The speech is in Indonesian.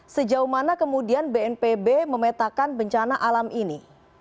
sejauh mana kemudian bnpb memetakan bencana alam ini